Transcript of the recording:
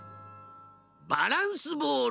バランスボール！